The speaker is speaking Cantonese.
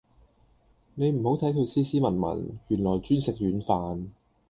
你唔好睇佢斯斯文文，原來專食軟飯